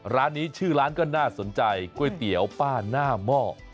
ร้านนี้ชื่อร้านก็น่าสนใจก๋วยเตี๋ยวป้าหน้าหม้อ